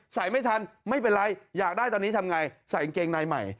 ไม่ทันไม่เป็นไรอยากได้ตอนนี้ทำไงใส่กางเกงในใหม่